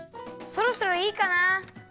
そろそろいいかな。